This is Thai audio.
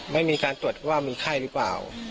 ไม่มีการตรวจว่ามันไข้หรือเปล่า